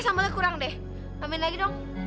sambalnya kurang deh amin lagi dong